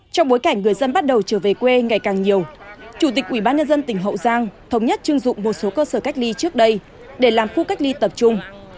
trong bối cảnh người dân bắt đầu trở về quê ngày càng nhiều chủ tịch ubnd tỉnh hậu giang thống nhất chưng dụng một số cơ sở cách ly trước đây để làm khu cách ly tập trung